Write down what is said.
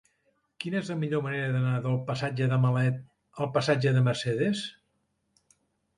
Quina és la millor manera d'anar del passatge de Malet al passatge de Mercedes?